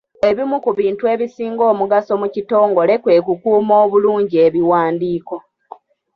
Ebimu ku bintu ebisinga omugaso mu kitongole kwe kukuuma obulungi ebiwandiiko.